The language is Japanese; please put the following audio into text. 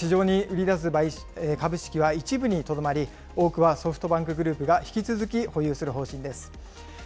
今回、市場に売り出す株式は一部にとどまり、多くはソフトバンクグループが引き続き保有する方針です。